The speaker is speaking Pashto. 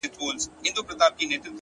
هله تياره ده په تلوار راته خبري کوه،